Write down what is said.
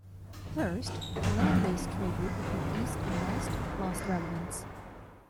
First, the land based trade route between east and west lost relevance.